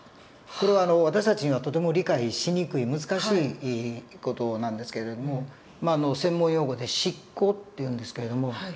これは私たちにはとても理解しにくい難しい事なんですけれどもまあ専門用語で失行っていうんですけれども。